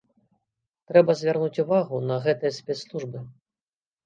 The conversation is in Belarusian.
Трэба звярнуць увагу на гэтыя спецслужбы.